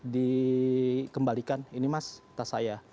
dikembalikan ini mas tas saya